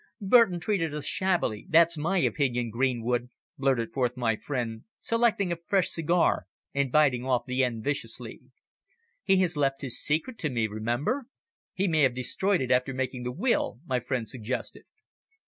"Burton treated us shabbily, that's my opinion, Greenwood!" blurted forth my friend, selecting a fresh cigar, and biting off the end viciously. "He left his secret to me remember." "He may have destroyed it after making the will," my friend suggested.